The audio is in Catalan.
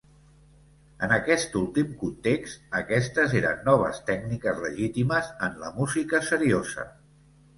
En aquest últim context, aquestes eren noves tècniques legítimes en la música seriosa.